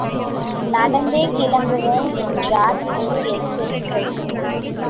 நடந்தே கிளம்புவோம் என்றால் ஒரு எச்சரிக்கை.